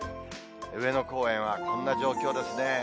上野公園はこんな状況ですね。